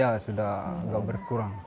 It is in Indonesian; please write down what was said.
ya sudah gak berkurang